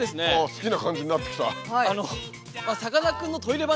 好きな感じになってきた。